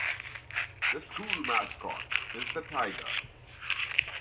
The school mascot is the Tiger.